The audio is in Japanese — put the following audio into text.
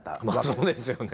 まあそうですよね。